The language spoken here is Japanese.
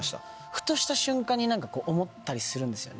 ふとした瞬間に思ったりするんですよね。